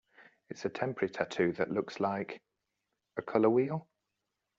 It's a temporary tattoo that looks like... a color wheel?